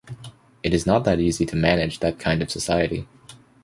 It is not that easy to manage that kind of society.